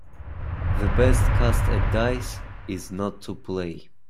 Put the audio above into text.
The best cast at dice is not to play.